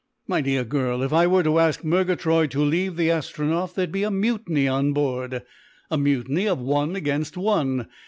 "My dear girl, if I were to ask Murgatroyd to leave the Astronef there'd be a mutiny on board a mutiny of one against one.